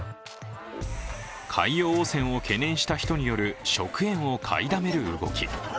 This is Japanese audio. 海洋汚染を懸念した人による食塩を買いだめる動き。